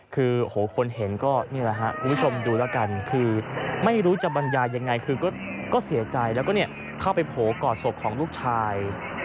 คือคนเห็นก็นี่แหละครับคุณผู้ชมดูแล้วกันคือไม่รู้จะบรรยายยังไงคือก็เสียใจแล้วก็เข้าไปโผล่กอดศพของลูกชาย